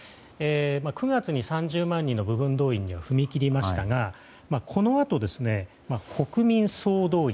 ９月に３０万人の部分動員に踏み切りましたがこのあと、国民総動員。